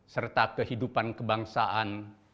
serta kehidupan kebangsaan